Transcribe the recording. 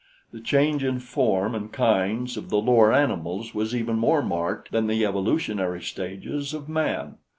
The change in form and kinds of the lower animals was even more marked than the evolutionary stages of man.